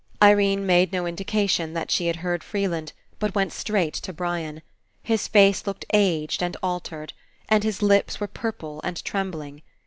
Irene made no Indication that she had heard Freeland, but went straight to Brian. His face looked aged and altered, and his lips were purple and trembling.